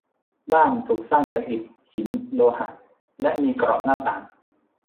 บ้านถูกสร้างจากอิฐ หิน โลหะ และมีกรอบหน้าต่าง